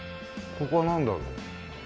ここはなんだろう？